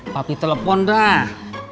tapi telepon dah